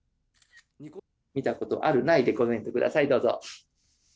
見たことある、ないでコメントください、どうぞ。